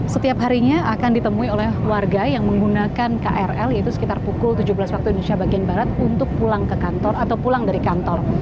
setiap harinya akan ditemui oleh warga yang menggunakan krl yaitu sekitar pukul tujuh belas waktu indonesia bagian barat untuk pulang ke kantor atau pulang dari kantor